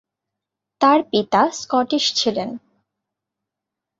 তার পিতা স্কটিশ ছিলেন।